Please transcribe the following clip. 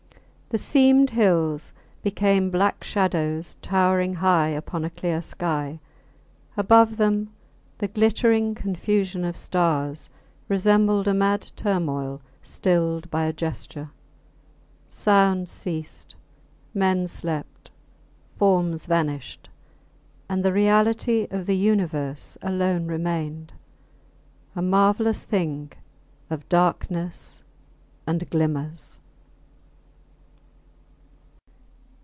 The seamed hills became black shadows towering high upon a clear sky; above them the glittering confusion of stars resembled a mad turmoil stilled by a gesture; sounds ceased, men slept, forms vanished and the reality of the universe alone remained a marvellous thing of darkness and glimmers.